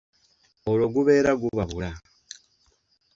"Olwo gubeera gubabula,"